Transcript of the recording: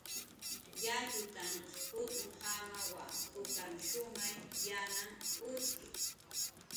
Yatxutanq utnjamawa, ukan shumay yanhan utki